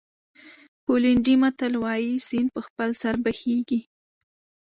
پولنډي متل وایي سیند په خپل سر بهېږي.